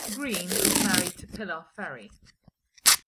Green is married to Pilar Ferry.